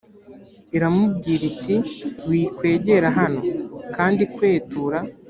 iramubwira iti wikwegera hano kandi kwetura